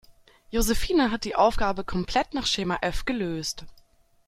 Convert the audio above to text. Josephine hat die Aufgabe komplett nach Schema F gelöst.